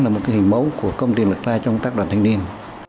là một hình mấu của công ty điện lực gia lai trong tác đoàn thanh niên